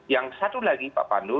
yang satu lagi pak pandu